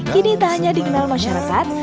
kini tak hanya dikenal masyarakat